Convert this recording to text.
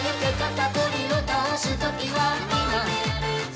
肩こりを倒す時は今」